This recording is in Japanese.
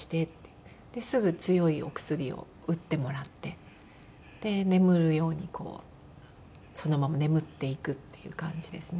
すぐ強いお薬を打ってもらって眠るようにこうそのまま眠っていくっていう感じですね。